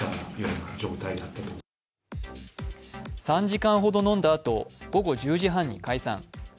３時間ほど飲んだあと、午後１０時半に解散。